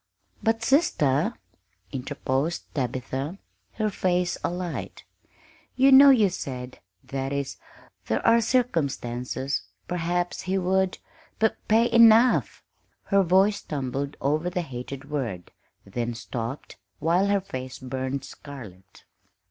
"But, sister," interposed Tabitha, her face alight, "you know you said that is, there are circumstances perhaps he would p pay enough " Her voice stumbled over the hated word, then stopped, while her face burned scarlet.